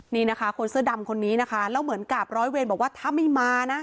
นี่นะคะคนเสื้อดำคนนี้นะคะแล้วเหมือนกับร้อยเวรบอกว่าถ้าไม่มานะ